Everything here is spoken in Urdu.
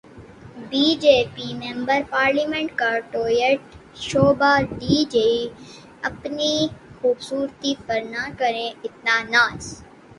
be J P member parliament کا ٹویٹ، شوبھا ڈے جی ، اپنی خوبصورتی پر نہ کریں اتنا ناز